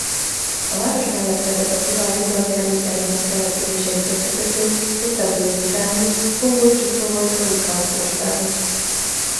A város mellett vezet az Urál nyugati előterének településeit összekötő észak-déli irányú Kungur–Csuszovoj–Szolikamszk országút.